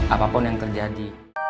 apapun yang terjadi